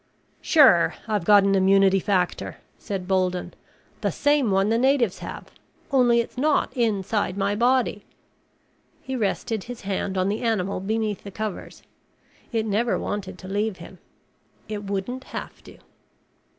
"Sure. I've got an immunity factor," said Bolden. "The same one the natives have. Only it's not inside my body." He rested his hand on the animal beneath the covers. It never wanted to leave him. It wouldn't have to.